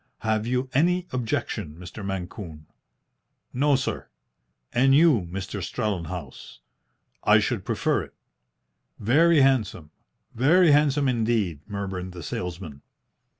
Have you any objection, Mr. Mancune?" "No, sir." "And you, Mr. Strellenhaus?" "I should prefer it." "Very handsome! Very handsome indeed!" murmured the salesman.